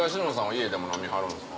家でも飲みはるんすか？